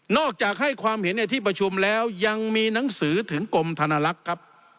จากให้ความเห็นในที่ประชุมแล้วยังมีหนังสือถึงกรมธนลักษณ์ครับ